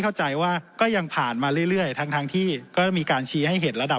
เข้าใจว่าก็ยังผ่านมาเรื่อยทั้งที่ก็มีการชี้ให้เห็นระดับ